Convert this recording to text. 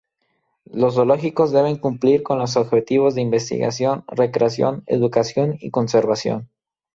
Los zoológicos deben cumplir con los objetivos de investigación, recreación, educación y conservación.